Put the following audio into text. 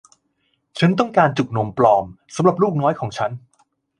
ฉันต้องการจุกนมปลอมสำหรับลูกน้อยของฉัน